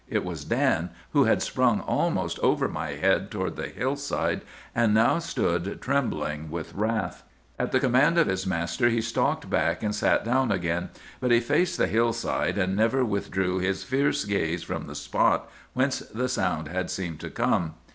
It was Dan, who had sprung almost over my head toward the hillside, and now stood trembling with wrath. "At the command of his master he stalked back and sat down again; but he faced the hillside, and never withdrew his fierce gaze from the spot whence the sound had seemed to come.